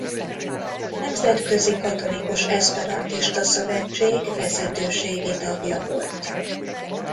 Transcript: Nemzetközi Katolikus Eszperantista Szövetség vezetőségi tagja volt.